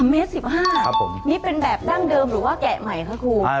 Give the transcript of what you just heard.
๓เมตร๑๕เซติเมตรครับ